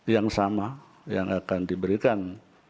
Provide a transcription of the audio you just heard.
yang sama yang akan diberikan